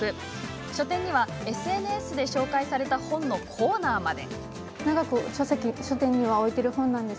書店にはＳＮＳで紹介された本のコーナーまで。